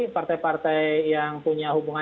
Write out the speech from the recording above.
partai partai yang punya hubungan